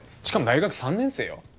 しかも大学３年生よ。